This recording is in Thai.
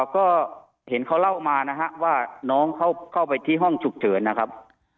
ก็เห็นเขาเล่ามานะฮะว่าน้องเข้าไปที่ห้องฉุกเฉินนะครับ